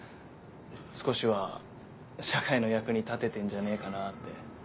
少しは社会の役に立ててんじゃねえかなって。